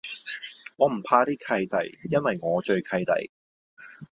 我唔怕啲契弟，因為我最契弟